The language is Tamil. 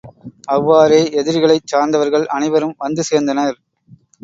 அவ்வாறே எதிரிகளைச் சார்ந்தவர்கள் அனைவரும் வந்து சேர்ந்தனர்.